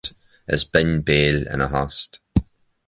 Is binn béal ina thost